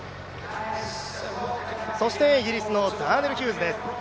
そしてイギリスのザーネル・ヒューズです。